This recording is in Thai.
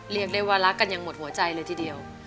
เรียกได้ว่ารักกันยังหมดหัวใจเลยทีเดียว